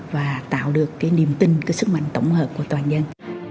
và tạo được cái niềm tin cái sức mạnh tổng hợp của toàn dân